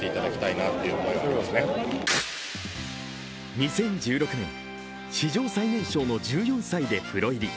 ２０１６年、史上最年少の１４歳でプロ入り。